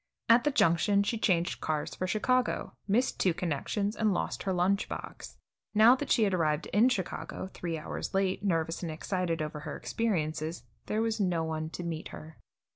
At the Junction she changed cars for Chicago, missed two connections, and lost her lunch box. Now that she had arrived In Chicago, three hours late, nervous and excited over her experiences, there was no one to meet her.